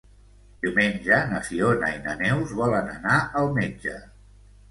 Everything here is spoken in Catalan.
Diumenge na Fiona i na Neus volen anar al metge.